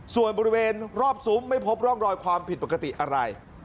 ส่วนบริเวณรอบซุ้มไม่พบร่องรอยความผิดปกติอะไร